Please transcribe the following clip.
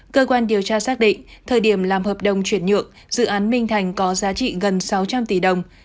cơ quan điều tra xác định thời điểm làm hợp đồng chuyển nhượng dự án minh thành có giá trị gần sáu trăm linh tỷ đồng